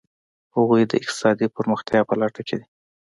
هغوی د اقتصادي پرمختیا په لټه کې دي.